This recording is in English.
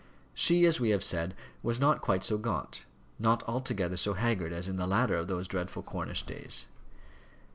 She, as we have said, was not quite so gaunt, not altogether so haggard as in the latter of those dreadful Cornish days.